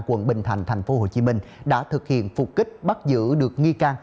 quận bình thạnh tp hcm đã thực hiện phục kích bắt giữ được nghi can